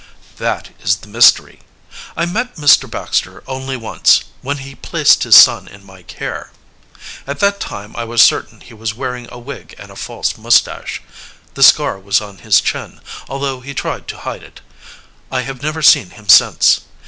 "That is the mystery. I met Mr. Baxter only once when he placed his son in my care. At that time I was certain he was wearing a wig and a false mustache. The scar was on his chin, although he tried to hide it. I have never seen him since.